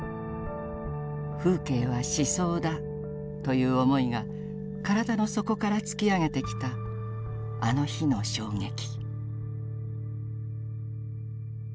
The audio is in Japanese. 『風景は思想だ』という思いが体の底から突き上げてきたあの日の衝撃」。